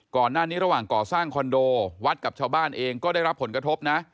ก่อนหน้านี้ระหว่างก่อสร้างคอนโดวัดกับชาวบ้านเองก็ได้รับผลกระทบนะ